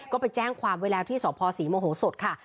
ก็ไปแจ้งความไว้แล้วที่สพศรีโมโหสดค่ะ